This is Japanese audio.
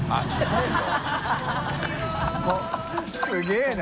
すげぇな。